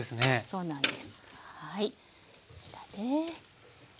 そうなんです。